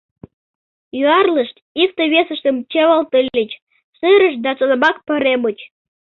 Юарлышт, икте-весыштым чывылтыльыч, сырышт да тунамак паремыч.